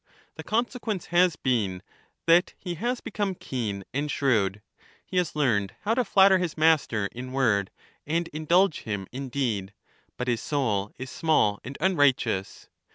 The consequence has been, that he has become keen and shrewd ; he has learned how to flatter his master in word and indulge him in deed ; but his soul is small and unrighteous.